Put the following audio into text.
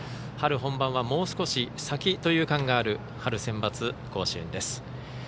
春本番はもう少し先という感がある春センバツ甲子園です。